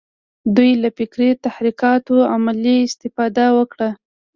دوی له فکري تحرکاتو عملي استفاده وکړه.